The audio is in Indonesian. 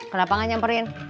kenapa gak nyamperin